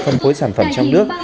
phân phối sản phẩm trong nước